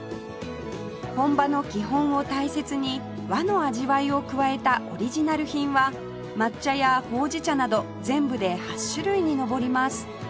本場の基本を大切に和の味わいを加えたオリジナル品は抹茶やほうじ茶など全部で８種類にのぼります